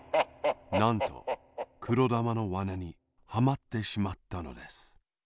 なんとくろだまのわなにはまってしまったのです。